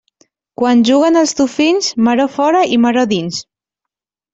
Quan juguen els dofins, maror fora i maror dins.